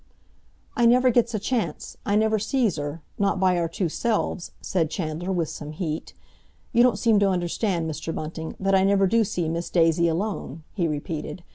"I never gets a chance. I never sees her, not by our two selves," said Chandler, with some heat. "You don't seem to understand, Mr. Bunting, that I never do see Miss Daisy alone," he repeated.